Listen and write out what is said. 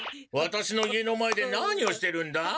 ワタシの家の前で何をしてるんだ？